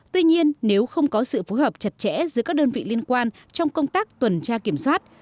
tuy nhiên nếu không có sự phối hợp chặt chẽ giữa các đơn vị liên quan trong công tác tuần tra kiểm soát